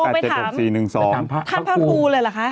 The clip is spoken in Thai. ถามพระครูเลยแหละคะ